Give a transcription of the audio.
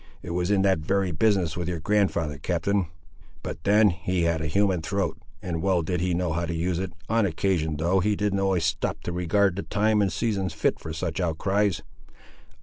It was in that very business with your grand'ther, captain. But then he had a human throat, and well did he know how to use it, on occasion, though he didn't always stop to regard the time and seasons fit for such outcries.